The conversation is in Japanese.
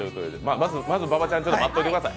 まず馬場ちゃん、待っておいてください。